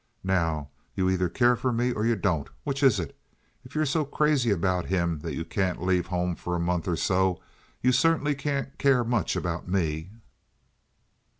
Now you either care for me or you don't. Which is it? If you're so crazy about him that you can't leave home for a month or so you certainly can't care much about me."